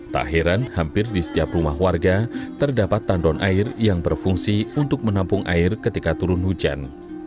tak heran hampir di setiap rumah warga terdapat tandon air yang berfungsi untuk menampung air ketika turun hujan